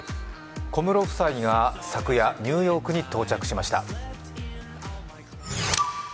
小室夫妻が昨夜、ニューヨークに到着しました。